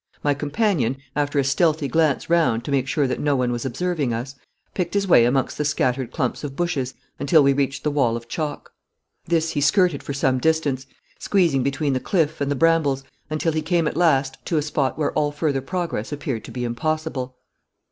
My companion, after a stealthy glance round to make sure that no one was observing us, picked his way amongst the scattered clumps of bushes until he reached the wall of chalk. This he skirted for some distance, squeezing between the cliff and the brambles until he came at last to a spot where all further progress appeared to be impossible.